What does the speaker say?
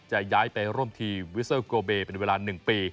จะย้ายไปร่วมทีมวิสเตอร์โกเบเป็นเวลา๑ปี